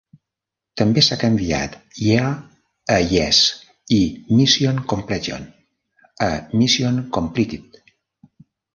També s'ha canviat "Yeah" a "Yes" i "Mission Completion" a "Mission Completed".